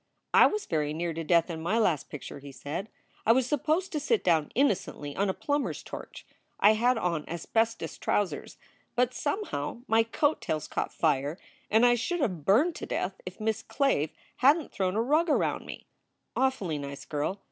"I was very near to death in my last picture," he said. "I was supposed to sit down innocently on a plumber s torch. I had on asbestos trousers, but somehow my coat tails caught fire and I should have burned to death if Miss Clave hadn t thrown a rug around me. Awfully nice girl.